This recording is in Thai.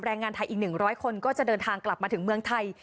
แรงงานไทยอีก๑๐๐คนก็จะเดินทางกลับมาถึงเมืองไทย